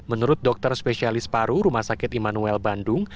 menurut dokter spesialis paru rumah sakit immanuel bandung